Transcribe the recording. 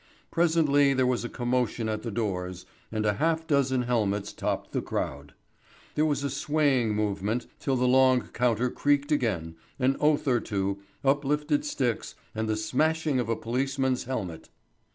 Presently there was a commotion at the doors, and half a dozen helmets topped the crowd. There was a swaying movement till the long counter creaked again, an oath or two, uplifted sticks and the smashing of a policeman's helmet.